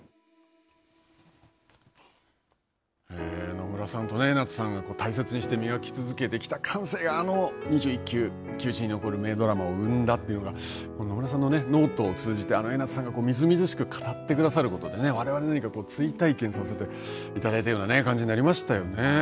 野村さんと江夏さんが大切にして磨き続けてきた感性があの２１球球史に残る名ドラマを生んだというのが野村さんのノートを通じてあの江夏さんがみずみずしく語ってくださることで、追体験させていただいたような感じになりましたよね。